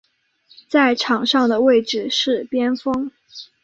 在场上的位置是边锋。